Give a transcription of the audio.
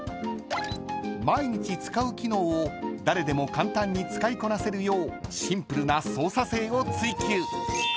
［毎日使う機能を誰でも簡単に使いこなせるようシンプルな操作性を追究］